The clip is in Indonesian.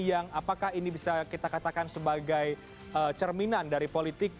yang apakah ini bisa kita katakan sebagai cerminan dari politik